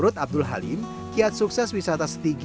tapi sejak ada wisata setigi